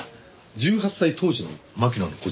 １８歳当時の牧野の個人